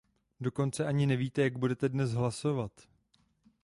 Dokonce ani nevíte, jak budete dnes hlasovat.